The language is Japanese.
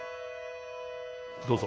どうぞ。